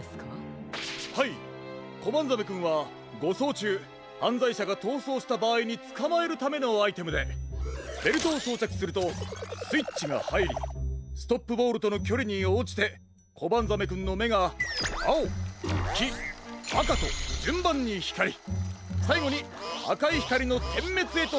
コバンザメくんはごそうちゅうはんざいしゃがとうそうしたばあいにつかまえるためのアイテムでベルトをそうちゃくするとスイッチがはいりストップボールとのきょりにおうじてコバンザメくんのめがあおきあかとじゅんばんにひかりさいごにあかいひかりのてんめつへとへんかしていくんです。